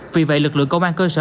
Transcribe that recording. vì vậy lực lượng công an cơ sở